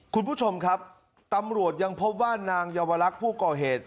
คุณผู้ชมครับตำรวจยังพบว่านางเยาวลักษณ์ผู้ก่อเหตุ